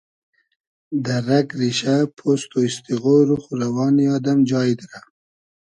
دۂ رئگ ریشۂ پوست و ایسیغۉ روخ و روانی آدئم جای دیرۂ